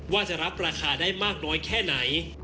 ว่าจะรับราคาได้มากน้อยแค่ไหน